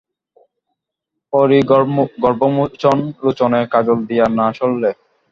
হরিণগর্বমোচন লোচনে কাজল দিয়ো না সরলে!